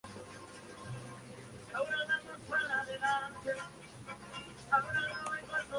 Para los realistas legitimistas es Segismundo I de Toscana.